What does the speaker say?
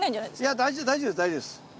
いや大丈夫大丈夫大丈夫です。